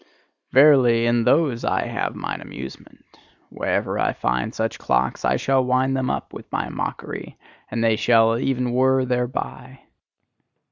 Verily, in those have I mine amusement: wherever I find such clocks I shall wind them up with my mockery, and they shall even whirr thereby!